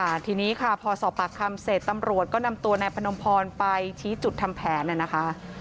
ทีนี้ค่ะพอสอบปากคำเสร็จตำรวจก็นำตัวนายพนมพรไปชี้จุดทำแผนน่ะนะคะ